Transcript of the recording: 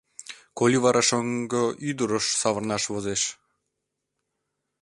Коли вара шоҥго ӱдырыш савырнаш возеш?